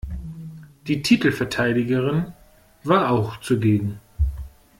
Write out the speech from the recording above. Die Titelverteidigerin war auch zugegen.